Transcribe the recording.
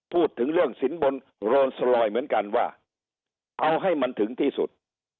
พูดถึงเรื่องสินบนโรนสลอยเหมือนกันว่าเอาให้มันถึงที่สุด